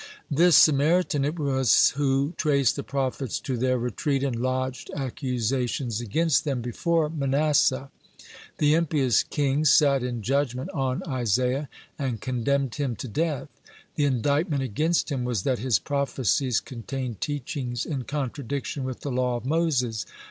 This Samaritan it was who traced the prophets to their retreat, and lodged accusations against them before Manasseh. (101) The impious king sat in judgment on Isaiah, and condemned him to death. The indictment against him was that his prophecies contained teachings in contradiction with the law of Moses.